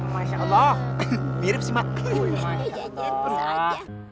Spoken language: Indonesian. masya allah mirip sama kelapa